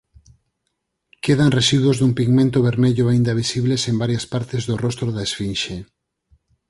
Quedan residuos dun pigmento vermello aínda visibles en varias partes do rostro da esfinxe.